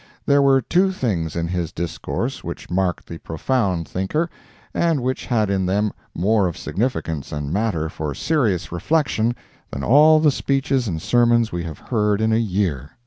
There were two things in his discourse which marked the profound thinker, and which had in them more of significance and matter for serious reflection than all the speeches and sermons we have heard in a year.